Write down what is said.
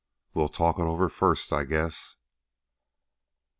"We'll talk it over first, I guess."